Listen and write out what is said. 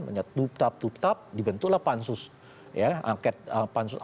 menyatup tap tap dibentuklah pansus